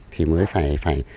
thì mới phải